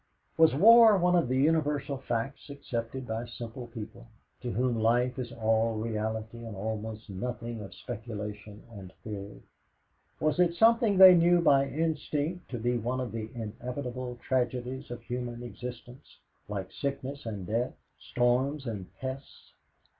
Was war one of the universal facts accepted by simple people, to whom life is all reality and almost nothing of speculation and theory? Was it something they knew by instinct to be one of the inevitable tragedies of human existence, like sickness and death, storms and pests?